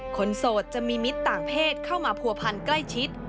โสดจะมีมิตรต่างเพศเข้ามาผัวพันใกล้ชิด